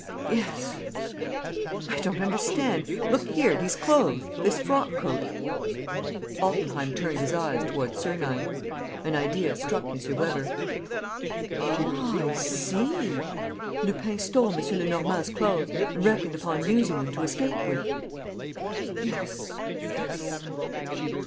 "Yes." "I don't understand. ... Look here, these clothes? This frock coat? ..." Altenheim turned his eyes toward Sernine. An idea struck M. Weber: "Ah, I see! Lupin stole M. Lenormand's clothes and reckoned upon using them to escape with. ..." "Yes ... yes.